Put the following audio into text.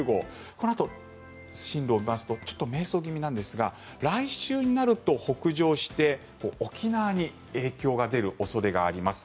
このあと、進路を見ますとちょっと迷走気味なんですが来週になると北上して、沖縄に影響が出る恐れがあります。